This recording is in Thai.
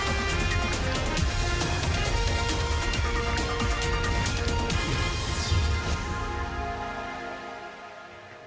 ที่มีแล้วสวัสดีครับ